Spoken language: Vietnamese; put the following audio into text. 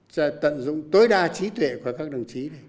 cho tận dụng tối đa trí tuệ của các đồng chí này